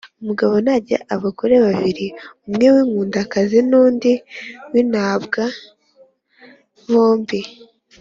Umugabo nagira abagore babiri umwe w inkundwakazi n undi w intabwa bombi